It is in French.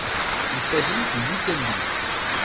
Il s'agit du huitième bit.